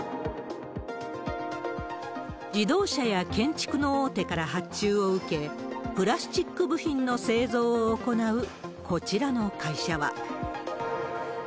自動車や建築の大手から発注を受け、プラスチック部品の製造を行うこちらの会社は。